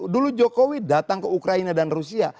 dulu jokowi datang ke ukraina dan rusia